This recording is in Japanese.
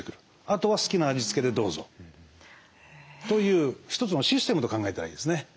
あとは好きな味付けでどうぞという一つのシステムと考えたらいいですね。